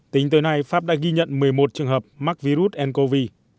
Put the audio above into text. tính tới nay pháp đã ghi nhận một mươi một trường hợp mắc virus ncov